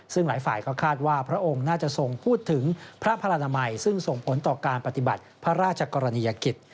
ซึ่งหลายฝ่ายก็คาดว่าพระองค์น่าจะทรงพูดถึงพระพระนามัยซึ่งส่งผลต่อการปฏิบัติพระราชกรณียกิจ